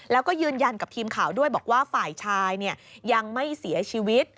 แล้วก็ยืนยันกับทีมข่าวด้วยบอกว่าฝ่ายชายยังไม่เสียชีวิต